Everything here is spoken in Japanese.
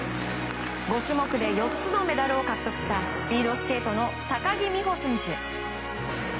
５種目で４つのメダルを獲得したスピードスケートの高木美帆選手。